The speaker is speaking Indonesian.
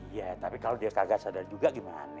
iya tapi kalau dia kagak sadar juga gimana